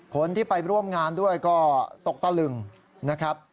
คนที่ไปร่วมงานด้วยก็ตกตะลึงนะครับ